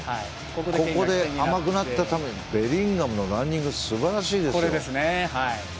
ここで甘くなったベリンガムのランニングすばらしいですよ。